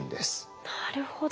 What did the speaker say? なるほど。